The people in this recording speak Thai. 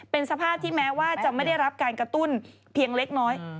เป็นสภาพที่แม้ว่าจะไม่ได้รับการกระตุ้นเพียงเล็กน้อย